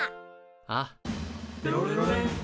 ああ。